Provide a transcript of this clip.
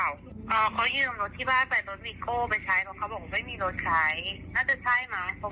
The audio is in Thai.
อ๋อเขายืมรถที่บ้านไปรถวีโก้ไปใช้เขาบอกว่าไม่มีรถใช้